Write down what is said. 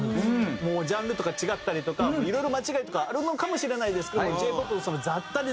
もうジャンルとか違ったりとかいろいろ間違いとかあるのかもしれないですけど。